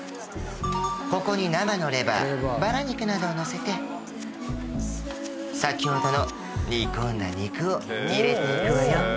ここに生のレバーバラ肉などをのせて先ほどの煮込んだ肉を入れていくわよ